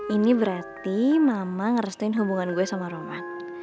ini berarti mama ngerestuin hubungan gue sama roman